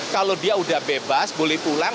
kalau dia udah bebas boleh pulang